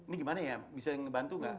ini gimana ya bisa ngebantu nggak